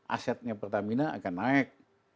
asetnya pertamina akan naik